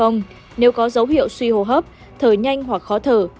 nếu có dấu hiệu suy hô hấp thở nhanh hoặc khó thở